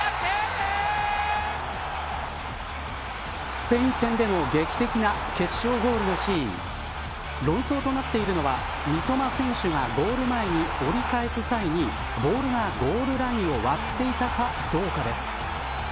スペイン戦での劇的な決勝ゴールのシーン論争となっているのは三笘選手がゴール前に折り返す際にボールがゴールラインを割っていたかどうかです。